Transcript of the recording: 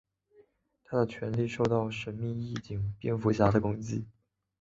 他的权力受到神秘义警蝙蝠侠的攻击。